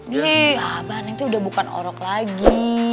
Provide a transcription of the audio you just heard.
nih abah neng tuh udah bukan orang lagi